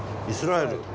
イスラエル？